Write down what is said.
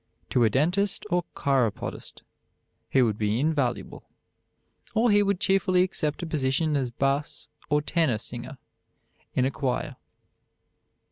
To a dentist or chiropodist he would be invaluable; or he would cheerfully accept a position as bass or tenor singer in a choir."